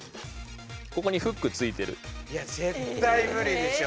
ここにフックついてる。